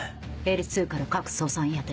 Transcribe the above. Ｌ２から各捜査員宛て。